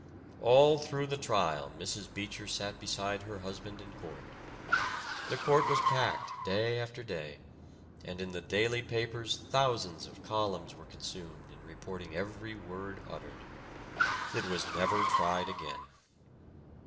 All through the trial Mrs. Beecher sat beside her husband in court. The court was packed day after day, and in the daily papers thousands of columns were consumed in reporting every word uttered. It was never tried again.